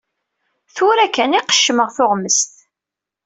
Tura kan i qeccmeɣ tuɣmest.